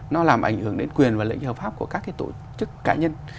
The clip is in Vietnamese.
nó làm ảnh hưởng đến quyền và lợi ích hợp pháp của các cái tổ chức cá nhân